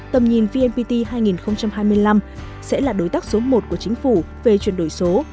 tầm nhìn vnpt hai nghìn hai mươi năm sẽ là đối tác số một của chính phủ về chuyển đổi số